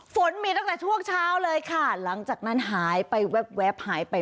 ฝนมีตั้งแต่ช่วงเช้าเลยค่ะหลังจากนั้นหายไปแวบหายไป